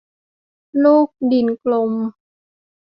ลูกดินกลม